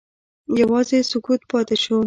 یوازې سکوت پاتې شو.